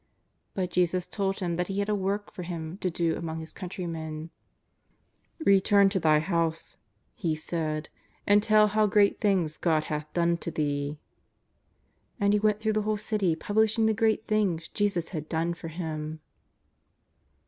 But Jesus told him that he had a work for him to do among his countrymen: " Return to thy house," He said, " and tell how great things God hath done to thee.'' And he went through the whole city publishing the great things Jesus had done for him.